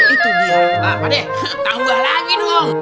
itu dia pak dek tambah lagi dong